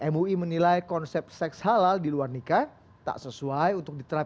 mui menilai konsep seks halal di luar nikah tak sesuai untuk diterapkan